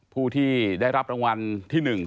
ผู้ที่ได้รับรางวัลที่๑